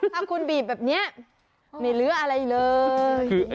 ถ้าคุณบีบแบบนี้ไม่เหลืออะไรเลย